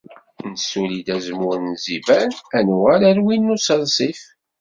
Nesuli-d azemmur n Zebban, ad nuɣal ar win n Usersif.